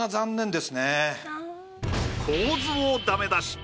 構図をダメ出し。